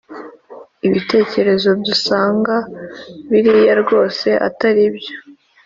ibitekerezo dusanga biriya rwose atari byo